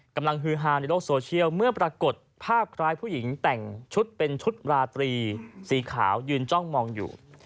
ฮือฮาในโลกโซเชียลเมื่อปรากฏภาพคล้ายผู้หญิงแต่งชุดเป็นชุดราตรีสีขาวยืนจ้องมองอยู่